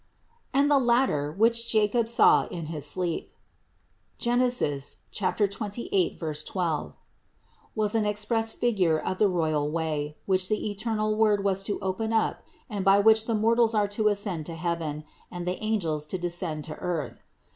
And the ladder, which Jacob saw in his sleep (Gen. 28, 12), was an express figure of the royal way, which the eternal Word was to open up and by which the mortals are to ascend to heaven and the angels to descend to earth.